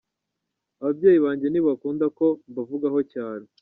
Ababyeyi banjye ntibakunda ko mbavugaho cyane.